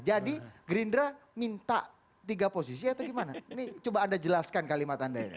jadi gerindra minta tiga posisi atau gimana ini coba anda jelaskan kalimat anda